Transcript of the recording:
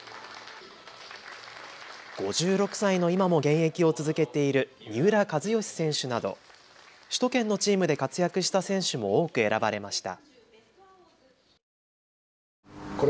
５６歳の今も現役を続けている三浦知良選手など首都圏のチームで活躍した選手も多く選ばれました。